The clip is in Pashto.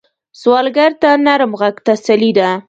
سوالګر ته نرم غږ تسلي ده